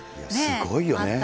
すごいよね。